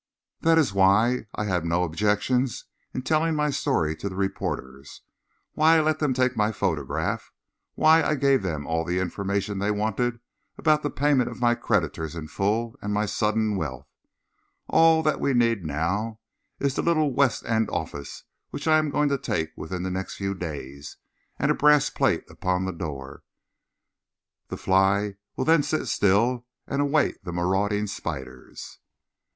That is why I had no objection to telling my story to the reporters, why I let them take my photograph, why I gave them all the information they wanted about the payment of my creditors in full and my sudden wealth. All that we need now is the little West End office which I am going to take within the next few days, and a brass plate upon the door. The fly will then sit still and await the marauding spiders."